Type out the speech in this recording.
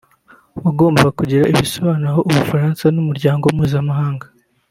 wagombaga kugira ibisobanuro uha Ubufaransa n’umuryango mpuzamahanga